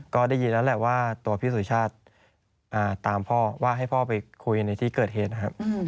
ก็ได้ยินแล้วแหละว่าตัวพี่สุชาติตามพ่อว่าให้พ่อไปคุยในที่เกิดเหตุนะครับ